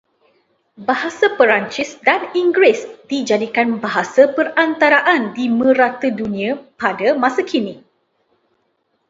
Bahasa Perancis dan Inggeris dijadikan bahasa perantaraan di merata dunia pada masa kini